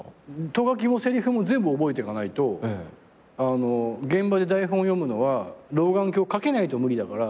ト書きもせりふも全部覚えていかないと現場で台本を読むのは老眼鏡掛けないと無理だから。